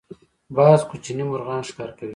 باز کوچني مرغان ښکار کوي